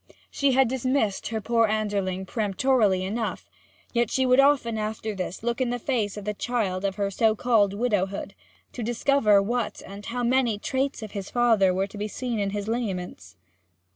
She had dismissed her poor Anderling peremptorily enough; yet she would often after this look in the face of the child of her so called widowhood, to discover what and how many traits of his father were to be seen in his lineaments.